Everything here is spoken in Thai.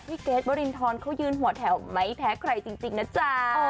เกรทวรินทรเขายืนหัวแถวไม่แพ้ใครจริงนะจ๊ะ